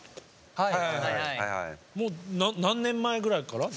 はい。